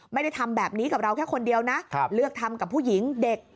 ไม่ได้ทำแบบนี้กับเราแค่คนเดียวนะเลือกทำกับผู้หญิงเด็ก